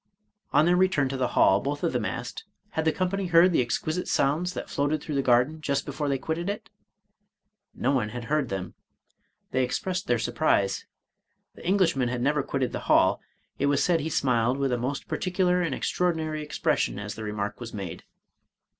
On their re turn to the hall, both of them asked. Had the company heard the exquisite sounds that floated through the garden just before they quitted it? No one had heard them. They 174 Charles Robert Maturin expressed their surprise. The Englishman had never quitted the hall; it was said he smiled with a most par ticular and extraordinary expression as the remark was made.